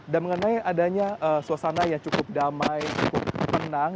dan mengenai adanya suasana yang cukup damai cukup tenang